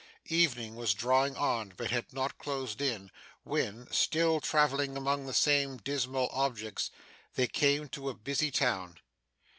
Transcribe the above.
Evening was drawing on, but had not closed in, when still travelling among the same dismal objects they came to a busy town.